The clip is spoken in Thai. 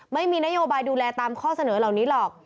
ไม่มีนโยบายดูแลตามข้อเสนอเหล่านี้หรอก